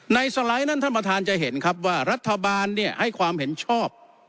สไลด์นั้นท่านประธานจะเห็นครับว่ารัฐบาลให้ความเห็นชอบ